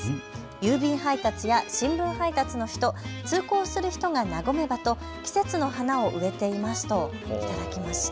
郵便配達や新聞配達の人、通行する人が和めばと季節の花を植えていますと頂きました。